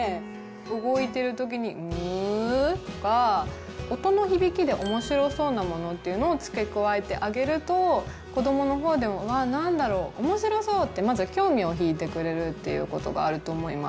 動いてる時にうっとか音の響きでおもしろそうなものっていうのを付け加えてあげると子どもの方でもうわぁ何だろうおもしろそうってまず興味を引いてくれるっていうことがあると思います。